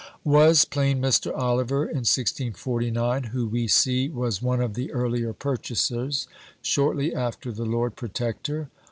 Was plain Mr. Oliver, in 1649, who we see was one of the earlier purchasers, shortly after "the Lord Protector?"